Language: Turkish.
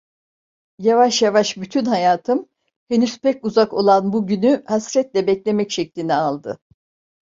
Yavaş yavaş bütün hayatım, henüz pek uzak olan bu günü hasretle beklemek şeklini aldı.